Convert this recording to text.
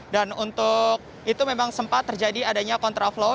dan untuk itu memang sempat terjadi adanya kontraflow